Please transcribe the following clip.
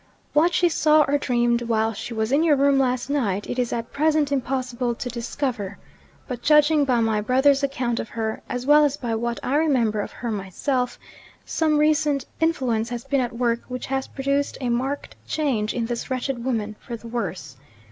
What she saw or dreamed while she was in your room last night, it is at present impossible to discover. But judging by my brother's account of her, as well as by what I remember of her myself, some recent influence has been at work which has produced a marked change in this wretched woman for the worse.